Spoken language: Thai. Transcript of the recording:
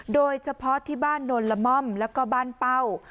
โดยเฉพาะที่บ้านโนนละม่อมแล้วก็บ้านเป้า